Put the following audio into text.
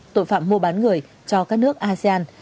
tội phạm mua bán người cho các nước asean